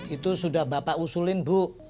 itu sudah bapak usulin bu